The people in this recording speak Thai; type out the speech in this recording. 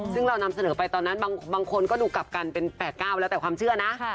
ซึ่งเรานำเสนอไปตอนนั้นบางคนก็ดูกลับกันเป็น๘๙แล้วแต่ความเชื่อนะ